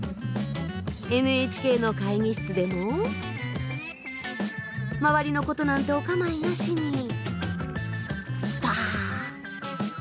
ＮＨＫの会議室でも周りのことなんてお構いなしにスパ。